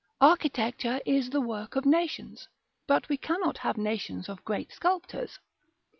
Architecture is the work of nations; but we cannot have nations of great sculptors.